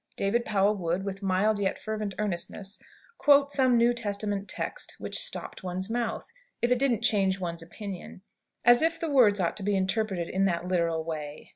David Powell would, with mild yet fervent earnestness, quote some New Testament text, which stopped one's mouth, if it didn't change one's opinion. As if the words ought to be interpreted in that literal way!